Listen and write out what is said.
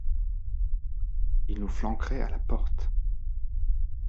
Ils nous flanqueraient à la porte !…